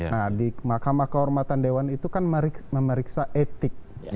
nah di mahkamah kehormatan dewan itu kan memeriksa etik